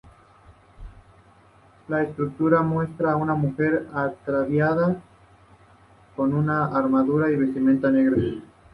La escultura muestra a una mujer ataviada con una armadura y vestimenta de guerra.